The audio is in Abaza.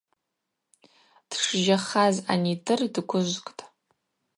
Дшжьахаз анидыр дгвыжвкӏтӏ.